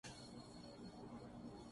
کیا آپ اپنی کلاس میں جا رہے ہیں؟